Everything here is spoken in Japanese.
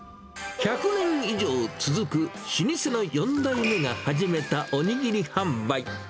１００年以上続く老舗の４代目が始めたおにぎり販売。